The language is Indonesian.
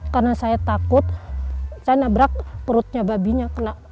karena saya takut saya nabrak perutnya babinya